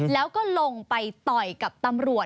แล้วก็ลงไปต่อยกับตำรวจ